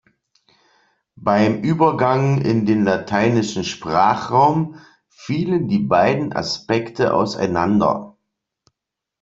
Beim Übergang in den lateinischen Sprachraum fielen die beiden Aspekte auseinander.